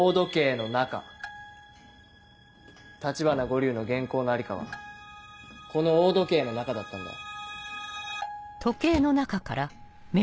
橘五柳の原稿の在りかはこの大時計の中だったんだよ。